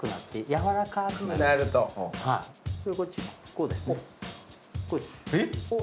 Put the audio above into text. こうですね。えっ？